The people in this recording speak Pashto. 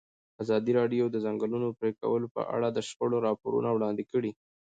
ازادي راډیو د د ځنګلونو پرېکول په اړه د شخړو راپورونه وړاندې کړي.